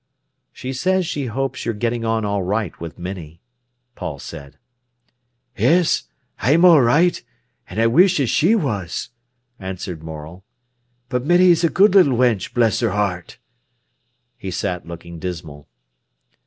"She says she hopes you're getting on all right with Minnie," Paul said. "Yes, I'm all right, an' I wish as she was," answered Morel. "But Minnie's a good little wench, bless 'er heart!" He sat looking dismal.